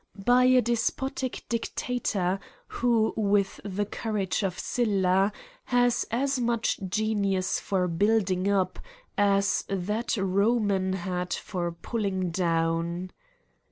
By a despotic dictator, who, with the courage of Syda, has as much genius for building up as that Roman had for pulling down.